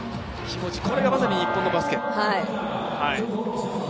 これがまさに日本のバスケ。